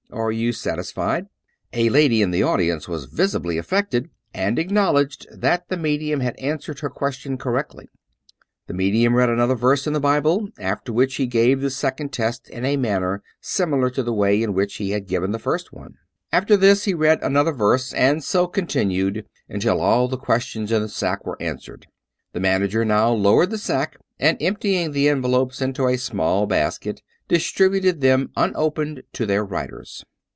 Are you satisfied? " A lady in the audi ence was visibly affected, and acknowledged that the me dium had answered her question correctly. The medium read another verse in the Bible, after which he gave the second test in a manner similar to the way in which he had given the first one. After this he read another verse, and so continued until all the questions in the sack were an swered. The manager now lowered the sack, and empty ing the envelopes into a small basket distributed them un opened to their writers.